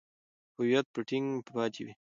هویت به ټینګ پاتې وي.